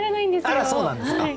あらそうなんですか。